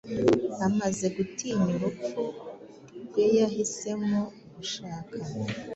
Amaze gutinya urupfu rweyahisemo gushaka